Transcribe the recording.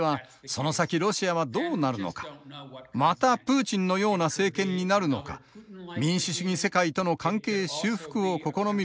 その先ロシアはどうなるのかまたプーチンのような政権になるのか民主主義世界との関係修復を試みるような国家になるのか